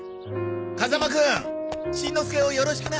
風間くんしんのすけをよろしくな！